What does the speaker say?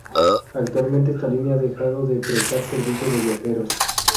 Actualmente esta línea ha dejado de prestar servicio de viajeros.